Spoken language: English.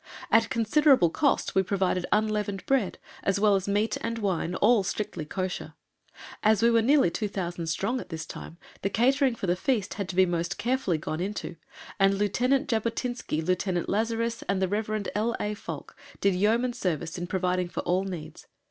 At considerable cost we provided unleavened bread, as well as meat and wine all strictly "Kosher." As we were nearly 2,000 strong at this time, the catering for the feast had to be most carefully gone into, and Lieut. Jabotinsky, Lieut. Lazarus, and the Rev. L. A. Falk did yeoman service in providing for all needs.